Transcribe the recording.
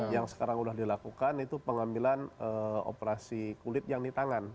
yang sekarang sudah dilakukan itu pengambilan operasi kulit yang di tangan